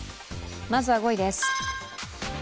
まずは５位です。